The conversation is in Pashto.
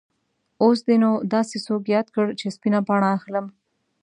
اوس دې نو داسې څوک یاد کړ چې سپینه پاڼه اخلم.